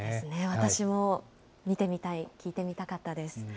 私も見てみたい、聞いてみたかったです。